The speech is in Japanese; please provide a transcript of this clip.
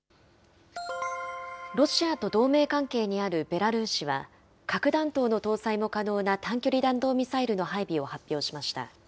ロシアと同盟関係にあるベラルーシは、核弾頭の搭載も可能な短距離弾道ミサイルの配備を発表しました。